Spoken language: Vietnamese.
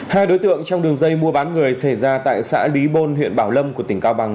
hai đối tượng trong đường dây mua bán người xảy ra tại xã lý bôn huyện bảo lâm của tỉnh cao bằng